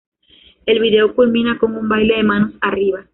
El vídeo culmina con un baile de manos arriba.